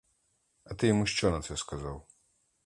А ти йому що на це сказав?